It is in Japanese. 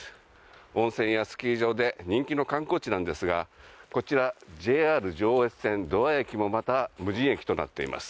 温泉やスキー場で人気の観光地なんですがこちら、ＪＲ上越線土合駅もまた無人駅となっています。